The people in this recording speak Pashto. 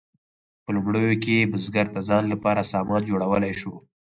په لومړیو کې بزګر د ځان لپاره سامان جوړولی شو.